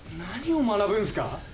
何を学ぶんすか！？